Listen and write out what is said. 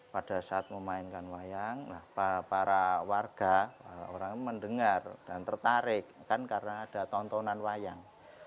pada saat memainkan wayang para warga orang mendengar dan tertarik kan karena ada tontonan wayang